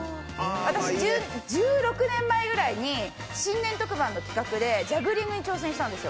私、１６年前ぐらいに新年特番の企画でジャグリングに挑戦したんですよ。